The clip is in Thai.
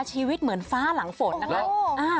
ชีวิตเหมือนฟ้าหลังฝนนะคะ